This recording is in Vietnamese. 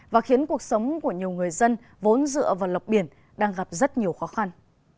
và khiến cuộc sống của nhiều người dân vốn dựa vào lọc biển đang gặp rất nhiều khó khăn